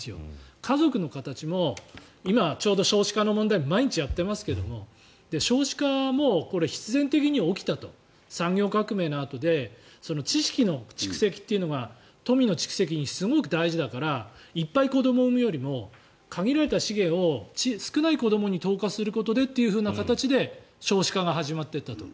家族の形も今、少子化の問題を毎日やっていますが、少子化も必然的に起きたと産業革命のあとで知識の蓄積というのが富の蓄積にすごく大事だからいっぱい子どもを産むよりも限られた資源を少ない子どもに投下することでというふうな形で少子化が始まっていったと。